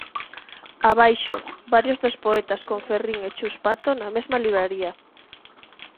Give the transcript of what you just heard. Abaixo: varios dos poetas con Ferrín e Chus Pato na mesma libraría.